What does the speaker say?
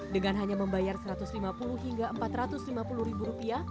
dengan hanya membayar rp satu ratus lima puluh hingga rp empat ratus lima puluh